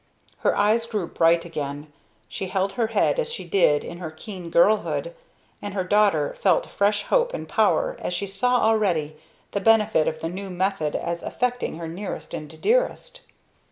Her eyes grew bright again, she held her head as she did in her keen girlhood, and her daughter felt fresh hope and power as she saw already the benefit of the new method as affecting her nearest and dearest.